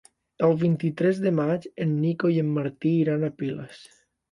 El vint-i-tres de maig en Nico i en Martí iran a Piles.